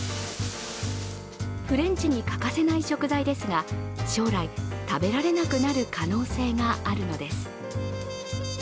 フレンチに欠かせない食材ですが、将来、食べられなくなる可能性があるのです。